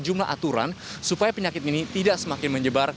sejumlah aturan supaya penyakit ini tidak semakin menyebar